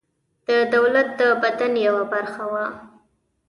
د دولت د بدن یوه برخه وه.